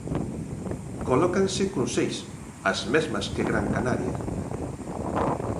Colócanse con seis, as mesmas que Gran Canaria.